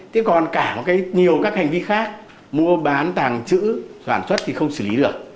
thế còn cả nhiều các hành vi khác mua bán tàng trữ soạn xuất thì không xử lý được